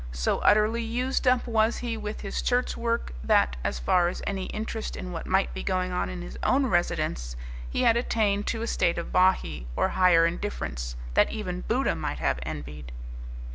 So utterly used up was he with his church work that, as far as any interest in what might be going on in his own residence, he had attained to a state of Bahee, or Higher Indifference, that even Buddha might have envied.